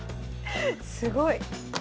すごい。